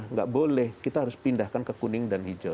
nggak boleh kita harus pindahkan ke kuning dan hijau